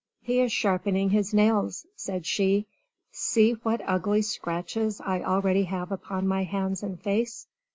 "He is sharpening his nails," said she. "See what ugly scratches I already have upon my hands and face."